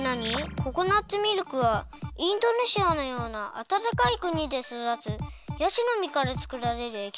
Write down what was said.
ココナツミルクはインドネシアのようなあたたかいくにでそだつヤシのみからつくられるえきたい。